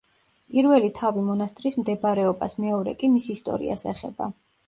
პირველი თავი მონასტრის მდებარეობას, მეორე კი მის ისტორიას ეხება.